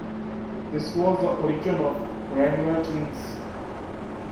This was the origin of Wrangler Jeans.